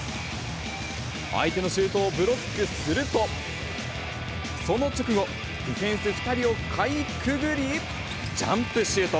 相手のシュートをブロックすると、その直後、ディフェンス２人をかいくぐり、ジャンプシュート。